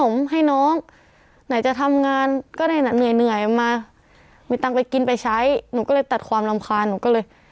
มีตังค์ไปกินไปใช้หนูก็เลยตัดความรำคาญหนูก็เลย